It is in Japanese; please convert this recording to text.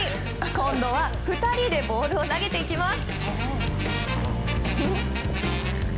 今度は２人でボールを投げていきます。